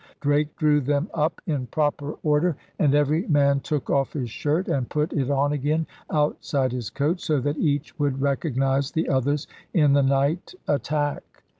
Drake drew them up in proper order; and every man took off his shirt and put it on again outside his coat, so that each would recognize the others in the night attack.